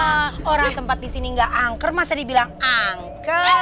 nah orang tempat disini gak angker masa dibilang angker